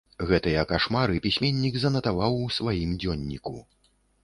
Гэтыя кашмары пісьменнік занатаваў у сваім дзённіку.